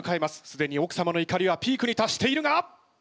すでに奥様の怒りはピークに達しているが！？